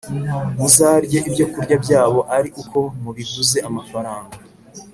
Muzarye ibyokurya byabo ari uko mubiguze amafaranga,